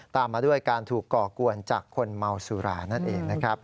ตามมาด้วยการถูกก่อกวนจากคนเมาสุรานั่นเองนะครับ